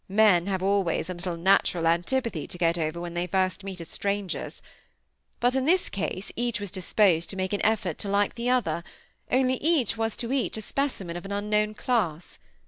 Men have always a little natural antipathy to get over when they first meet as strangers. But in this case each was disposed to make an effort to like the other; only each was to each a specimen of an unknown class.